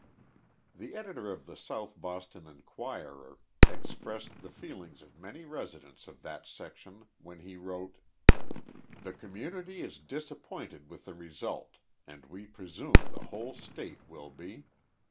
The editor of the South Boston Inquirer expressed the feelings of many residents of that section when he wrote : u The community is disappointed with the result and we presume the whole State will be.